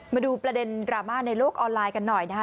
มาดูประเด็นดราม่าในโลกออนไลน์กันหน่อยนะคะ